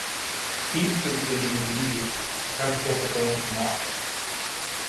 Teamsters were needed immediately to transport the oil to markets.